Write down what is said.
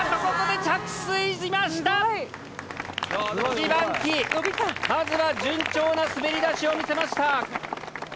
１番機まずは順調な滑り出しを見せました。